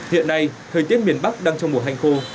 hiện nay thời tiết miền bắc đang trong mùa hành khô